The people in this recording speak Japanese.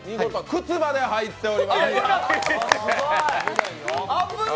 靴まで入っております。